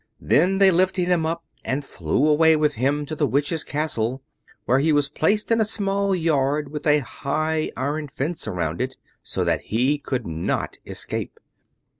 Then they lifted him up and flew away with him to the Witch's castle, where he was placed in a small yard with a high iron fence around it, so that he could not escape.